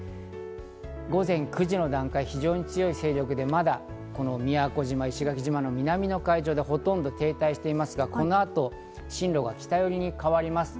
午前９時の段階、非常に強い勢力でまだ宮古島、石垣島の南の海上でほとんど停滞していますが、この後、進路が北寄りに変わります。